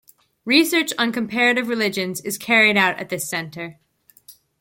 Research on comparative religions is carried out at this center.